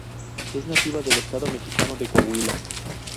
Es nativa del estado mexicano de Coahuila.